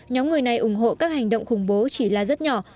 nhóm người này ủng hộ các hành động khủng bố chỉ là rất nhỏ